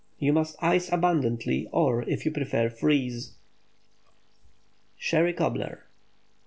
You must ice abundantly—or, if you prefer, freeze. SHERRY COBBLER.